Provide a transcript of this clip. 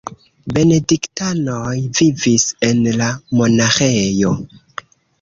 Benediktanoj vivis en la monaĥejo.